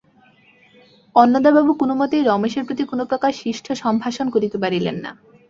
অন্নদাবাবু কোনোমতেই রমেশের প্রতি কোনোপ্রকার শিষ্টসম্ভাষণ করিতে পারিলেন না।